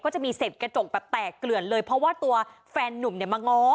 จะมีเสร็จกระจกแบบแตกเกลือนเลยเพราะว่าตัวแฟนนุ่มเนี่ยมาง้อ